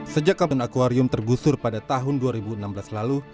sejak kabin akwarium tergusur pada tahun dua ribu enam belas lalu